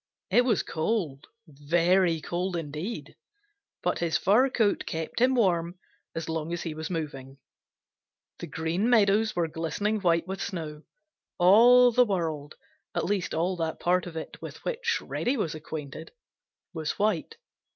It was cold, very cold indeed, but his fur coat kept him warm as long as he was moving. The Green Meadows were glistening white with snow. All the world, at least all that part of it with which Reddy was acquainted, was white.